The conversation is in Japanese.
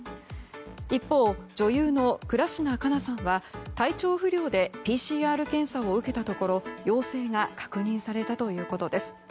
一方、女優の倉科カナさんは体調不良でＰＣＲ検査を受けたところ陽性が確認されたということです。